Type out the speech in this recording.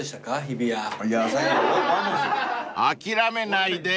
［諦めないで！］